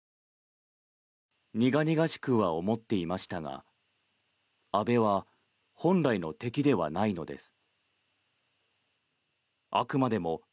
苦々しくは思っていましたが安倍は本来の敵ではないのです。